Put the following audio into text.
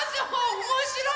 おもしろいね！